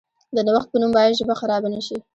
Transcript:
د نوښت په نوم باید ژبه خرابه نشي.